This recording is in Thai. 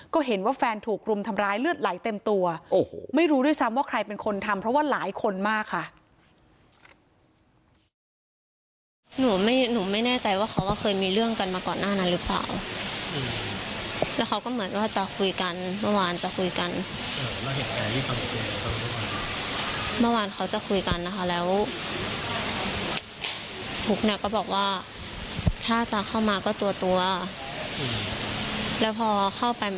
ก็เห็นว่าแฟนถูกรุมทำร้ายเลือดไหลเต็มตัวโอ้โหไม่รู้ด้วยซ้ำว่าใครเป็นคนทำเพราะว่าหลายคนมากค่ะ